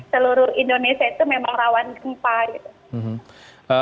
seluruh indonesia itu memang rawan gempa gitu